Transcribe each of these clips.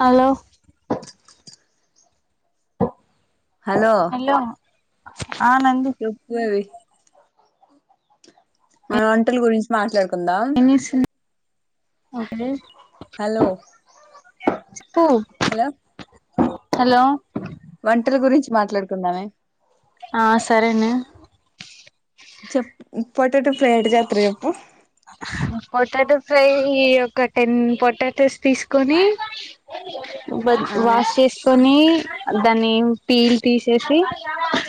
Hello ఆ hello ఆ నంది చెప్పు అవి మనం వంటల గురించి మాట్లాడుకుంధాం అహ్ లెస్ [unintelligible] హలో చెప్పు హలో హలో వంటల్ గురించి మాట్లాడుకుందామే ఆ సరేనే చెప్ మ్ పొటాటో ఫ్రై ఎట జెతారో ఎపు పొటాటో ఫ్రై ఒక టెన్ పొటాటోస్ తీసుకొని ఉబద్ ఆ వాష్ చేసుకొని దాన్ని పీల్ తీసేసి ఇ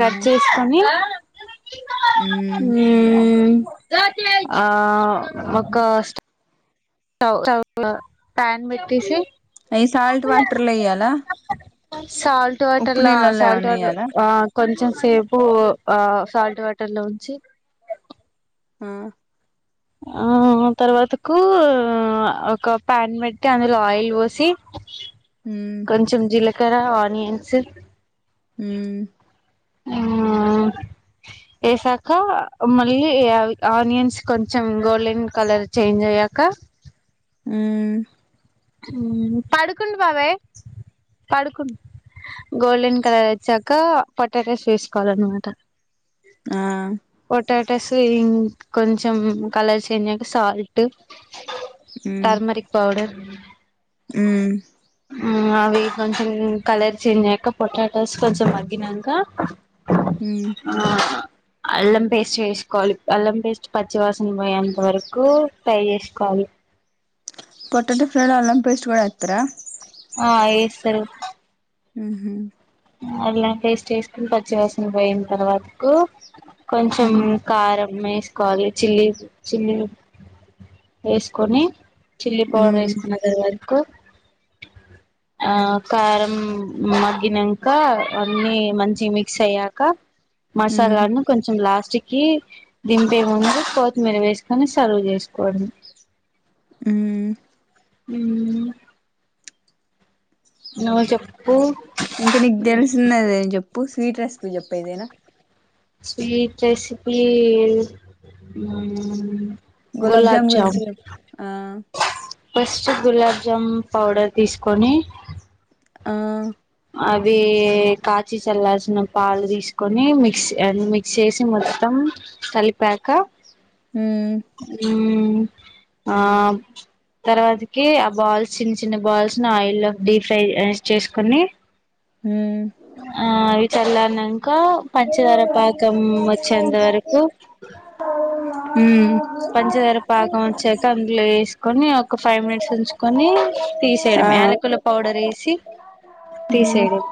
కట్ చేసుకొని మ్మ్ ఉమ్మ్మ్ ఆ ఒక స్ట టౌ చవ్ లో ప్యాన్ పెట్టేసి అయి సాల్ట్ వాటర్ లో యేయలా సాల్ట్ వాటర్ల అ సాల్ట్ వాట్ ర్ ఎయ్యాలా ఆ కొంచెం సేపు ఉ ఆ సాల్ట్ వాటర్ లో ఉంచి హ్మ్ హ్మ్ తర్వాతకు ఉ అ ఒక ప్యాన్ పెట్టి అందులో ఆయిల్ పోసి మ్మ్ కొంచెం జీలకర ఆనియన్స్ హ్మ్ ఎసాక మళ్ళీ అవి ఆనియన్స్ కొంచెం గోల్డెన్ కలర్ చేంజ్ అయ్యాక ఆ [unintelligible] హ్మ్మ్ హ్మ్మ్ పడుకుండ్ బాబాయ్ పడుకుం గోల్డెన్ కలర్ వచ్చాక పొటాటాస్ వేసుకోవాలన్ మాట ఆ టేసు ఇం కొంచెం కలర్ చేంజయక సాల్ట్ టర్మరిక్ పౌడర్ ఉమ్ ఉమ్ అవి కొంచెం ఉ కలర్ చేంజ్ అయ్యాక పొటాటోస్ కొంచెం మగ్గినంక ఉమ్ అల్లం పేస్ట్ ఎశుకోవాలి అల్లం పేస్ట్ పచ్చివాసన పోయేంత వరకు ఫ్రై చేసుకోవాలి పొటాటో ఫ్రైలో అల్లం పేస్ట్ కుడా యాతర ఆ ఏసరు హుమ్ అల్లం పేస్ట్ ఎసుకున్ పచ్చివాసన పోయెంత వర్ క్ కొంచెం మ్మ్ కారం మే కాళీ చిల్లి చిన్ ఉల్ ఎసుకోని చిల్లీ పొడ్రు మ్మ్ ఎసుకున్న తర్వాత్ కు ఆ కారం మగ్గినంక అన్నీ మంచి మిక్స్ అయ్యాక మ్మ్ మశాలాను కొంచెం లాస్ట్ చీక్కి దింపే ముందు కోత్ మీర వేసుకొని సర్వ్ చేసుకోవడమే హ్మ్మ్ ఉమ్మ్ నువే చెప్పు ఇంకా నీక్ దేల్ సింనదే చెప్పు స్వీట్ రెసిపీ చెప్ ఏదైనా స్వీట్ రెశిపీ హ్మ్మ్ గులాబ్ జాము గురించ్ చెప్ ఆ ఫస్ట్ గులాబ్ జాము పౌడర్ తీసుకొని ఆ అవి కాచి చల్ లార్ చిన పాలు తీసుకొని మిక్స్ యన్ మిక్స్ చేసి మొత్తం కలిపాకా మ్మ్ ఊ ఆ తర్వాతకి ఆ బాల్స్ చిన్న చిన్న బాల్స్ ను ఆయిల్ లోకి డీప్ ఫ్రై ఆ చేసుకొని ఊ చల్లారినంకా పంచదార పాకం వచ్చేంత వరకు ఊ పంచదార పాకం వచ్చాక అందులో ఏసుకొని ఓక్ ఒక ఫైవ్ మినిట్స్ ఉంచుకొని తీసేయడమే యాలకుల పౌడర్ వేసి ఊ తీసేయడం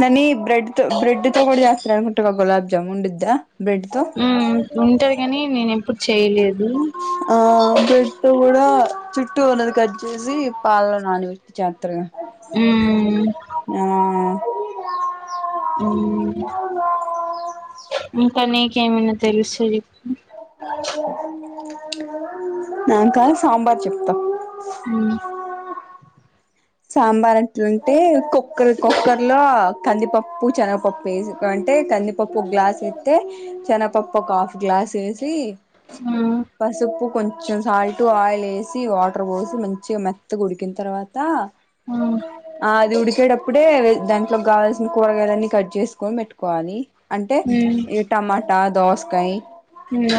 దాని బ్రెడ్ తో బ్రెడ్ తో కూడ జాస్తరంట గా గులాబ్ జముండుద్ద ఊ ఉంటది కని నేను ఎప్పుడు చేయలేదు ఆ బ్రెడ్డు కూడా చుట్టూ ఉన్నది కట్ చేసి పాలలో నాన పెడితే చాలు ఉమ్ ఆ ఊ ఇంకా నీకేమైనా తెలుస్తే చెప్పు నాకా సాంబార్ చెప్తా ఊ సాంబార్ ఎట్లంటే కుక్కరి కుక్కర్లో కందిపప్పు చనగపప్పు వేసుకుంటే కందిపప్పు ఒక గ్లాస్ వెస్తే చనపప్పు ఒక ఆఫ్ గ్లా సెసి ఆ పసుప్పు కొం కొంచెం సాల్ట్ ఆయిల్ వేసి వాటర్ పోసి మంచిగా మెత్తగ ఉడికిన తర్వాత ఆ ఆ అది ఉడికేటప్పుడే వె దాంట్లోకి కావాల్సిన కూరగాయలన్నీ కట్ చేసుకొని పెట్టుకోవాలి అంటే ఉమ్ ఈ టమాటా దోసకాయ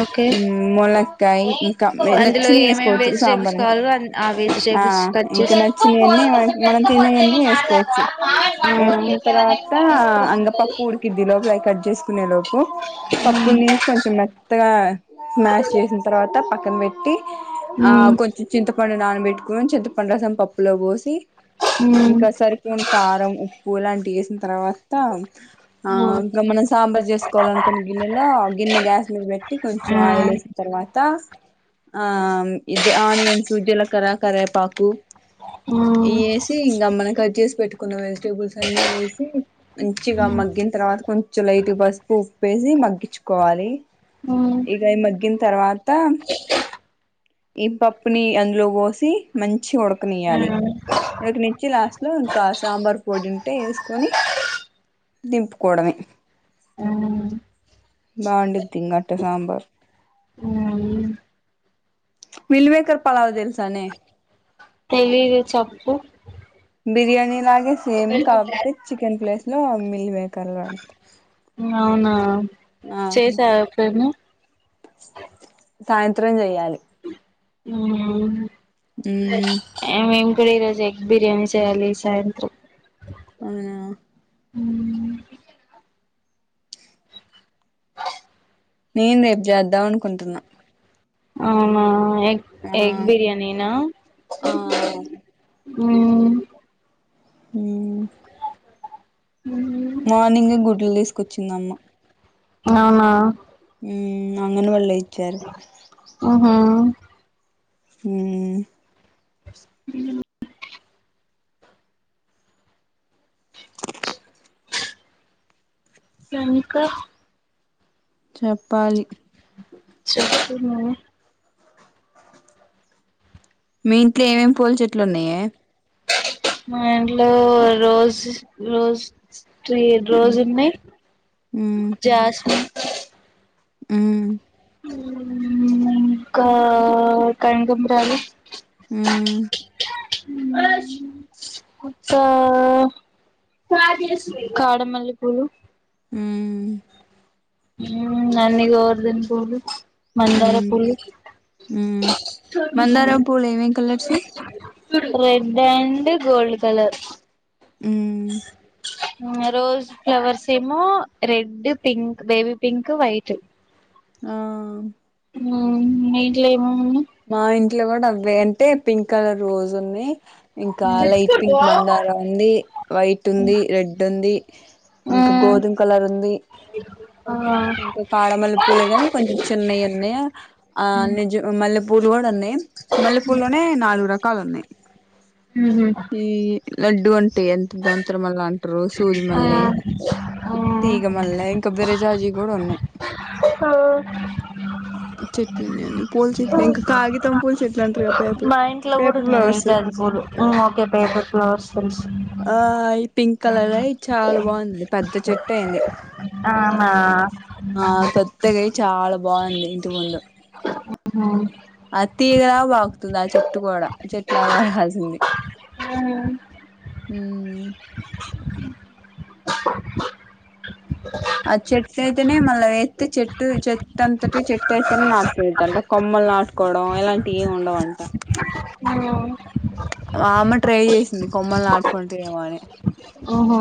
ఓకే ఊ ముల కాయ ఇంకా అందులో నచ్చిన ఏమేమి వేసుకోవచ్చు వెజిటేబుల్స్ సాంబార్ అంటే కావాలో ఆ ఆ వెజిటేబుల్స్ కట్ ఇంకా చేసి నచ్చినయన్ని యా మనం తినేయని వేసుకోవచ్చు వేసుకున్న తర్వాత అంగ పప్పు ఉడికిది లోపల అయి కట్ చేసుకునే లోపు పప్పు నేన్ కొంచెం మెత్తగా స్మాష్ చేసిన తర్వాత పక్కన పెట్టి ఆ కొంచెం చింతపండున నా పెట్టుకొని చింత పండు రసం పప్పులో పోసి ఇంకా సరిపోను కారం ఉప్పు ఇలాంటివి వేసిన తర్వాత ఆ ఇంకా మనం సాంబార్ చేసుకోవాలనుకున్న గిన్నెలో గిన్నె గ్యాస్ మీద పెట్టి కొంచెం ఆయిల్ వేసిన తర్వా అత ఆ ఇది ఆనియన్సు జీలకర కరవేపాకు ఇ వేసి ఇంకా మనం కట్ చేసి పెట్టుకున్న వెజిటేబుల్స్ అన్ని వేసి మంచిగా మగ్గిన తర్వాత కొంచెం లైట్ పసుపు ఉప్పేసి మగ్గించుకోవాలి ఇగ అయి మగ్గిన్ తర్వాత ఈ పప్పుని అందులో పోసి మంచి చ్చిగ ఉడకనియాలి ఉడకనిచ్చి లాస్టు లో ఇంకాస్త సాంబార్ పొడి ఉంటే వేసుకొని దింపుకోవడమే బావుండిద్ది ఇంగట్ట సాంబార్ మిల్వేకర్ పలావ్ తెలుసానే తెలీదు చప్పు బిర్యానీ లాగే సేమ్ కాకపోతే చికెన్ ప్లేస్ లో మిల్మేకర్ ల అంట అవునా చేసావ ఎప్పుడైనా సాయంత్రం చెయాలి ఊ అవును మ్మ్ ఏ మేం కూడా ఈ రోజు ఎగ్ బిర్యానీ చేయాలి ఈ సాయంత్రం ఆ నేను రేపు చేద్దాం అనుకుంటున్నా అవునా ఎగ్ ఆ ఎగ్ బిర్యానీనా ఆ ఊ ఊ మార్నింగే గుడ్లు తీసుకొచ్చిందమ్మ అవునా ఉమ్ అంగన్ వాడి లో ఇచ్ అ హా ఊ మ్ బ ఇంకా చెప్పాలి చెప్పు నువ్వే మీ ఇంట్లో ఏమేమి పూల చెట్లు ఉన్నయే మా ఇంట్లో రోజ్ రోజ్ త్రీ రోజ్ ఉన్నాయి జాస్మిన్ ఉమ్ మ్ ఇంకా కనకాంబరాలు ఉమ్ ఇంకా కాడమల్లిపూలు ఉమ్ మ్ నంది గోవర్ధన పూలు మందార మ్మ్ పూలు మ్మ్ మందారం పూలు ఏమేం colours red and gold colour మ్మ్ రోజ్ ఫ్లవర్స్ ఏమో red pink baby pink white ఆ మ్ మీ ఇంట్లో ఏమేం ఉన్నాయ్ మా ఇంట్లో కూడా అవే అంటే పింక్ కలర్ రోజ్ ఉన్నాయి ఇంకా లైట్ పింక్ ఆ మందారం ఉంది వైట్ ఉంది రెడ్ ఉంది ఇంకా గోధుమ కలర్ ఉంది ఆ ఇంకా కాడమల్లెపూలే గాని కొంచెం చిన్నవి ఉన్నాయి ఆ అ ని మల్లే పూ పూలు కూడా ఉన్నాయి మల్లెపూలోనే నాలుగు రకాలు ఉన్నాయి ఊ హు ఈ లడ్డు అంటంటు ఎంత దంతర్ మల్ల అంట్ర సూది ఆ మల్లె తీగమల్లే ఇంకా బెరజాజి కూడ ఉన్నాయి ఆ చెట్లున్న ఉన్నాయి అన్ని పూల చెట్ మా ఇంట్లో కూడా పేపర్ ఉన్నాయి అవి ఫ్లవర్స్ జాజి పూలు హు ఓకే పేపర్స్ లో సొర సోయ్ ఆ ఈ పింక్ కలర్వే చాలా బాగుందిలే పెద్ద చెట్టు అయింది అవునా ఆ పెద్దగై చాలా బాగుంది ఇంటి ముందు అద్ తీగలా పాక్తుంది ఆ చెట్టు కూడ చెట్లా పెరగాల్సింది. ఊ మ్ ఆ చెట్టు అయితేనే మళ్ళా ఎత్తు చెట్టు చెట్ చెట్టంతటి చెట్టు అయితేనే నాటుకోదంట కొమ్మల్ నాటుకోవడం ఇలాంటి ఏమి ఉండవంట ఆ ఆ అమ్మ ట్రై చేసింది కొమ్మలు నాటుకుంటేమో అని అహా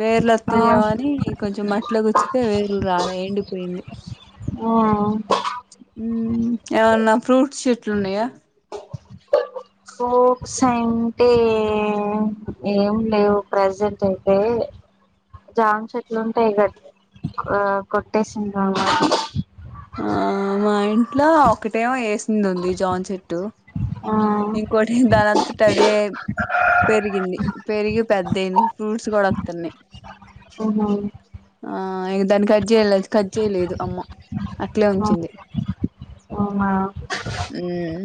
వేర్లోత్తయమో అని కొంచెం మట్లో గుచ్చితే వేర్లు రాలే ఎండిపోయింది ఆ హు ఏమన్నా ఫ్రూట్స్ చెట్లు ఉన్నాయా ఫ్రూట్స్ అంటే ఏం లేవు ప్రజెంట్ అయితే జామ్ చెట్లు ఉంటాయి క ఆ కొట్టేసింది ఆ మా ఇంట్లో ఒకటేమో వేసింది ఉంది జామ్ చెట్టు ఆ ఇంకోటి దానంతట అదే పెరిగింది. పెరిగి పెద్దయింది. ఫ్రూట్స్ కూడా వత్తున్నయి ఆ అహ ఇగ దాన్ని కట్ చేయలే కట్ చేయలేదు అమ్మ అట్లే ఉంచింది. అమ్మా ఉమ్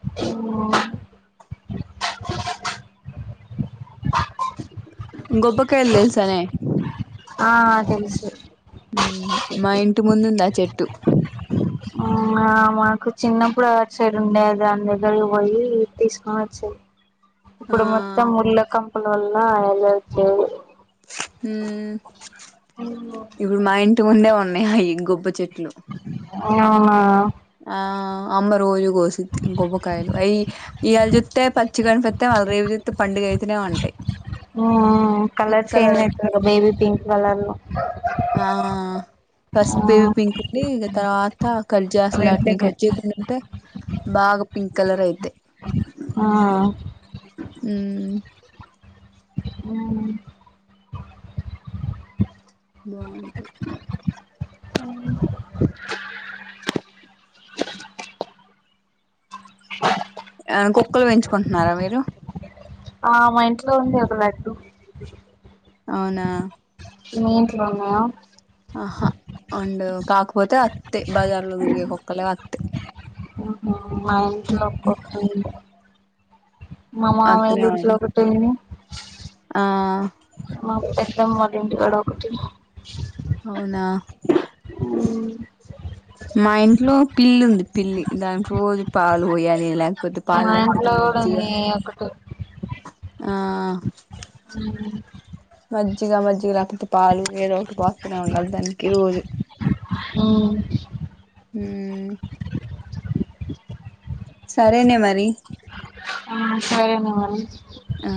[inaudible] గొబ్బకాయల్ తెల్సనే ఆ తెల్సు మ్ మా ఇంటి ముందుంది ఆ చెట్టు ఆ మా మాకు చిన్నప్పుడు అటు సైడ్ ఉండే అది దాన్ దగ్గరకి పోయి తీస్కొని వచ్చే ఆ ఇప్పుడు మొత్తం ముళ్ళ కంపల వల్ల ఎళ్ళట్లేదు. మ్ ఇప్పుడు మా ఇంటి ముందే ఉన్నాయి అయి గొబ్బ చెట్లు అవునా ఆ అమ్మ రోజు గోసిద్ది గొబ్బకాయాలు. అయి ఇయాల జుత్తే పచ్చిగ అనిపిత్తయ్ మల్ల రేపు జుత్తే పండుగ తనే ఉంటయి. మ్ కలర్ చేంజ్ వస్తాయి అయితద్గా బేబీ పింక్ కలర్లో ఆ ఫస్ట్ బేబీ పింక్ ఉండి ఇగ తర్వాత కల్ జాస్ రెడ్ ఇలాట్ని కి కట్ చేయకుండుంటే బాగా పింక్ కలర్ అయితయి ఆ మ్ అవునా బాగుంటయి అవ్ను ఆ కుక్కల్ పెంచుకుంటున్నార మీరు ఆ మా ఇంట్లో ఉంది ఒక లడ్డు. అవునా మీ ఇంట్లో ఉన్నయా అహ ఉండవు కాకపోతే ఒత్తయ్ బజార్లో తిరిగే కుక్కలే అత్తయి అవునా మా ఇంట్లో ఒక [inaudible] మా మామయ్య అత్తనే వాడి ఇంట్లో ఒకటుంది. ఆ మా పెద్దమ్మ వాళ్ళ ఇంటికాడ ఒకటి అవునా [inaudible] మా ఇంట్లో పిల్లుంది పిల్లి దానికి రోజు పాలు పోయాలే కొద్ది పాల్ మా లేకపోతే ఇంట్లో కూడా మజ్జిగా ఉంది ఒకటి ఆ అ మజ్జిగ మజ్జిగ లేకపోతే పాలు ఏదో ఒకటి పోస్తనే ఉండాలి దానికి రోజు మ్ మ్ సరేనే మరి ఆ సరేనే మరి అ